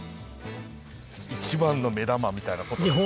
一番の目玉みたいなことですか？